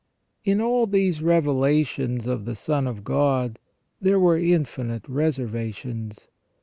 In all these revelations of the Son of God there were infinite reservations.